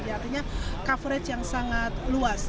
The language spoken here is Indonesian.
artinya coverage yang sangat luas